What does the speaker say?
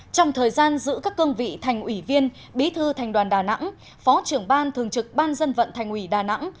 trong thời gian giữ các cương vị thành ủy viên bí thư thành đoàn đà nẵng phó trưởng ban thường trực ban dân vận thành ủy đà nẵng